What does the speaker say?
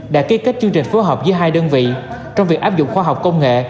đã ký kết chương trình phối hợp giữa hai đơn vị trong việc áp dụng khoa học công nghệ